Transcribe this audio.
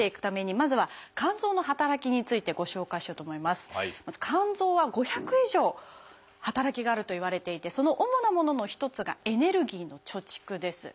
まず肝臓は５００以上働きがあるといわれていてその主なものの一つがエネルギーの貯蓄です。